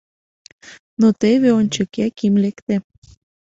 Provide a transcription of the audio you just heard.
Но теве ончык Яким лекте.